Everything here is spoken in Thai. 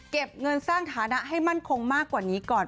เก็บเงินสร้างฐานะให้มั่นคงมากกว่านี้ก่อน